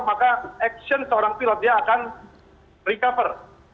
maka aksi seorang pilot dia akan naik ke atas